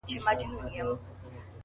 چي ته وې نو یې هره شېبه مست شر د شراب وه،